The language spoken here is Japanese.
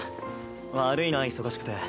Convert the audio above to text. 悪いな忙しくて。